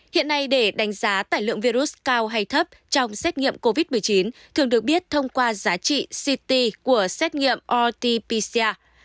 hiện nay để đánh giá tải lượng virus cao hay thấp trong xét nghiệm covid một mươi chín thường được biết thông qua giá trị ct của xét nghiệm rt pcr